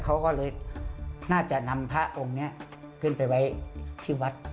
เขาก็เลยน่าจะนำพระองค์นี้ขึ้นไปไว้ที่วัด